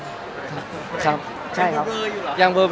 แล้วถ่ายละครมันก็๘๙เดือนอะไรอย่างนี้